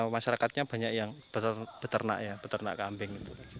masyarakatnya banyak yang beternak ya beternak kambing